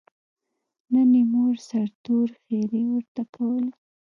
نن یې مور سرتور ښېرې ورته کولې.